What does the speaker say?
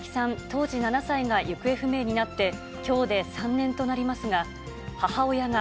当時７歳が行方不明になってきょうで３年となりますが、